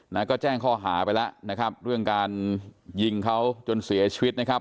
นะก็แจ้งข้อหาไปแล้วนะครับเรื่องการยิงเขาจนเสียชีวิตนะครับ